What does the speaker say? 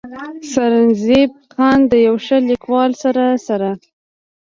“ سرنزېب خان د يو ښه ليکوال سره سره